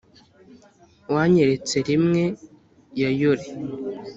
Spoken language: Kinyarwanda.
wanyeretse rimwe, ya yore;